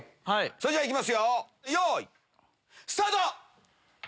それじゃいきますよよいスタート！